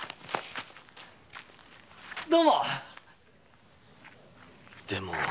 どうも。